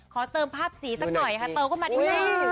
เติมภาพสีสักหน่อยค่ะเติมเข้ามาที่นี่